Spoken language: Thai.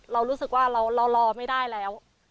เรารู้สึกว่าเรารอไม่ได้แล้ว